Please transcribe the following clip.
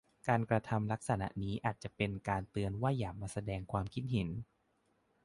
การกระทำลักษณะนี้อาจเป็นการเตือนว่าอย่ามาแสดงความคิดเห็น